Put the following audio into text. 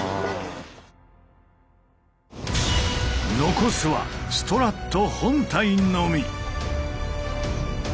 残すはストラット本体のみ。